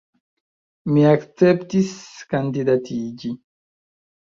Mi akceptis kandidatiĝi.